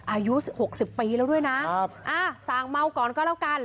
อายุ๖๐ปีแล้วด้วยนะสั่งเมาก่อนก็แล้วกัน